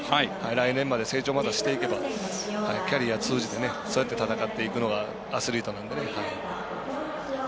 来年まで成長をまたしていけばキャリア通じてそうやって戦っていくのがアスリートなんでね。